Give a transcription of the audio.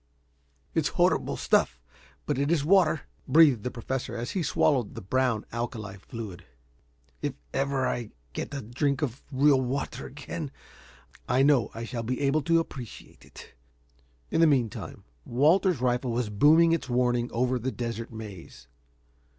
"It's horrible stuff, but it is water," breathed the Professor as he swallowed the brown alkali fluid. "If ever I get a drink of real water again, I know I shall be able to appreciate it." In the meantime Walter's rifle was booming its warning over the desert maze.